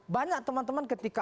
banyak teman teman ketika